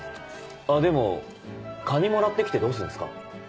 でもカニもらって来てどうするんですか？